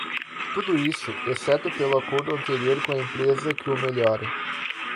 Tudo isso, exceto pelo acordo anterior com a empresa que o melhora.